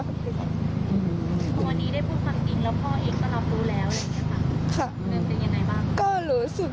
วันนี้ได้พูดความจริงแล้วพ่อเองก็รับรู้แล้วเลยค่ะ